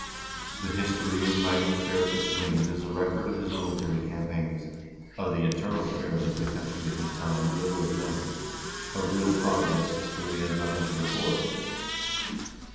The history of Magnus Barefoot's reign is a record of his military campaigns ; of the internal affairs of the country in his time little is known ; of real progress history has nothing to record.